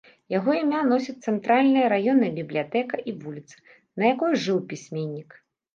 Яго імя носяць цэнтральная раённая бібліятэка і вуліца, на якой жыў пісьменнік.